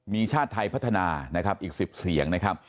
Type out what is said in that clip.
มีชาติไทยพัฒนานะครับอีก๑๐เสียงนะครับ